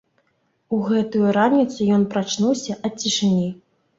У гэтую раніцу ён прачнуўся ад цішыні.